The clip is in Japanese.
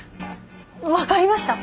分かりました。